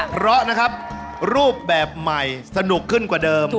เพราะนะครับรูปแบบใหม่สนุกขึ้นกว่าเดิม